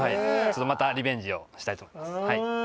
リベンジをしたいと思います。